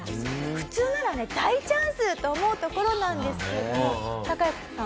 普通ならね大チャンスと思うところなんですけどもタカヤさん